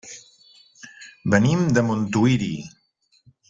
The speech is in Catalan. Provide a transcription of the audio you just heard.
Venim de Montuïri.